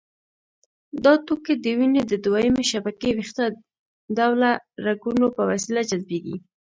دا توکي د وینې د دویمې شبکې ویښته ډوله رګونو په وسیله جذبېږي.